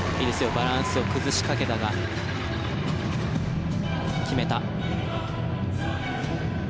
バランスを崩しかけたが決めた。